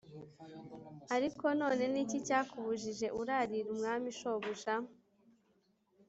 Ariko none ni iki cyakubujije urarira umwami shobuja?